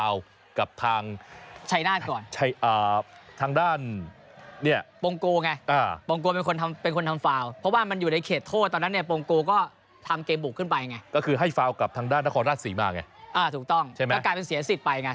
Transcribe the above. อ่าถูกต้องก็กลายเป็นเสียสิทธิ์ไปไง